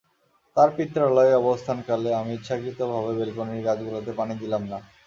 তার পিত্রালয়ে অবস্থানকালে আমি ইচ্ছাকৃত ভাবে ব্যালকনির গাছগুলোতে পানি দিলাম না।